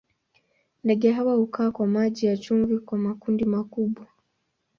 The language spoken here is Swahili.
Ndege hawa hukaa kwa maji ya chumvi kwa makundi makubwa.